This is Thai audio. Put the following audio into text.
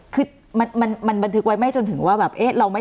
คือมันถึงไว้ไว้ไม่